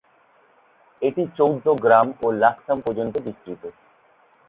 এটি চৌদ্দগ্রাম ও লাকসাম পর্যন্ত বিস্তৃত।